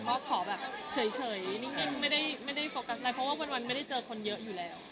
ก็ขอแบบเฉยนิ่งไม่ได้โฟกัสอะไรเพราะว่าวันไม่ได้เจอคนเยอะอยู่แล้ว